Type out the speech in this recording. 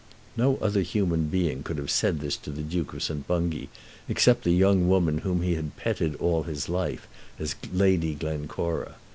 No other human being could have said this to the Duke of St. Bungay, except the young woman whom he had petted all his life as Lady Glencora.